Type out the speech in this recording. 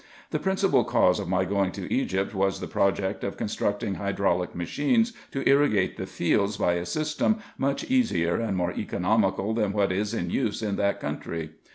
The principal cause of my going to Egypt was the pro ject of constructing hydraulic machines, to irrigate the fields, by a system much easier and more economical than what is in use in that country.